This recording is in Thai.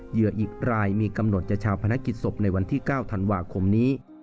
เหยื่ออีกรายมีกำหนดจะชาวพนักกิจศพในวันที่๙ธันวาคมนี้